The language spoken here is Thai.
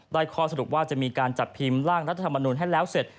ข้อสรุปว่าจะมีการจัดพิมพ์ร่างรัฐธรรมนุนให้แล้วเสร็จ